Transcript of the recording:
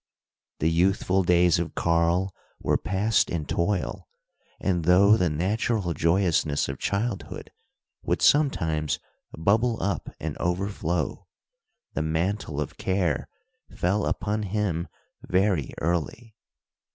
The youthful days of Karl were passed in toil, and though the natural joyousness of childhood would sometimes bubble up and overflow, the mantle of care fell upon him very early.